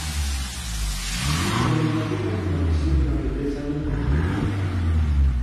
Allí el mediocampista permaneció durante tres años dentro del club alemán.